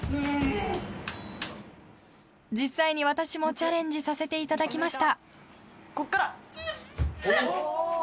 実際に私も、チャレンジさせていただきました。